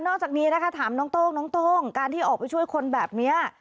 จากนี้นะคะถามน้องโต้งน้องโต้งการที่ออกไปช่วยคนแบบนี้